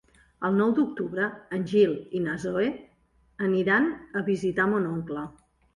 El nou d'octubre en Gil i na Zoè aniran a visitar mon oncle.